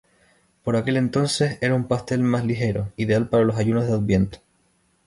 Por aquel entonces era un pastel más ligero, ideal para los ayunos de Adviento.